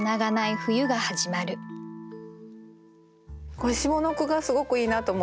これ下の句がすごくいいなと思って。